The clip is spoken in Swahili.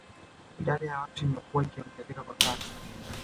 Idadi ya watu imekuwa inaongezeka kwa kasi